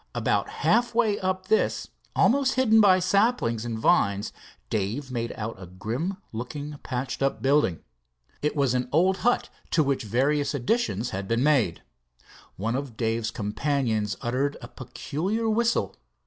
About half way up this, almost hidden by saplings and vines, Dave made out a grim looking patched up building. It was an old hut to which various additions had been made. One of Dave's companions uttered a peculiar whistle.